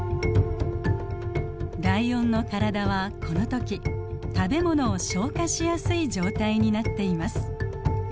ライオンの体はこのとき食べ物を消化しやすい状態になっています。